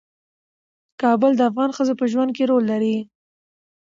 کابل د افغان ښځو په ژوند کې رول لري.